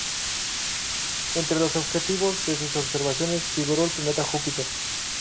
Entre los objetivos de sus observaciones figuró el planeta Júpiter.